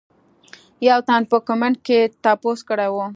يو تن پۀ کمنټ کښې تپوس کړے وۀ